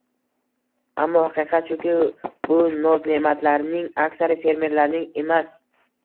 Ammo haqiqat shuki, bu noz-ne’matlarning aksari fermerlarning emas